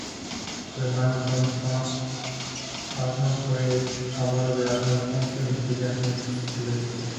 Su hermano Tom Arnold fue abuelo de Aldous Huxley y Julian Huxley.